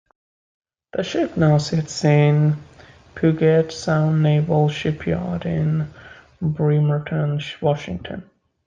The ship now sits in Puget Sound Naval Shipyard in Bremerton, Washington.